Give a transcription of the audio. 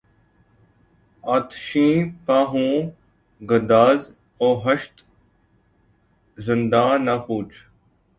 آتشیں پا ہوں گداز وحشت زنداں نہ پوچھ